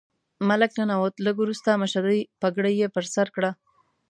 ملک ننوت، لږ وروسته مشدۍ پګړۍ یې پر سر کړه.